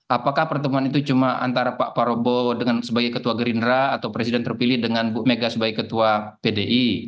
apakah pertemuan itu cuma antara pak prabowo sebagai ketua gerindra atau presiden terpilih dengan bu mega sebagai ketua pdi